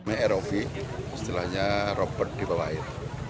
namanya rov istilahnya robot di bawah air